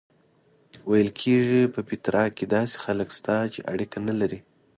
ویل کېږي په پیترا کې داسې خلک شته چې اړیکه نه لري.